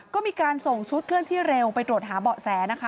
ก็มีการส่งชุดเคลื่อนที่เร็วไปตรวจหาเบาะแสนะคะ